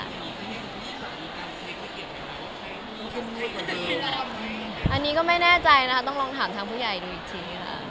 อันนี้ก็ไม่แน่ใจนะคะต้องลองถามทางผู้ใหญ่ดูอีกทีค่ะ